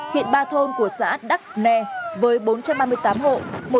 hiện ba thôn của xã đắc nè với bốn cây cầu bị cuốn trôi